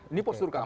ini postur keamanan